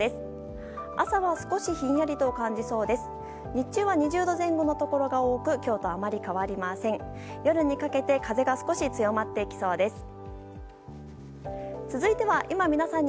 日中は２０度前後のところが多く今日とあまり変わりません。